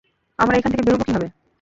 আমরা এখান থেকে বেরুবো কীভাবে?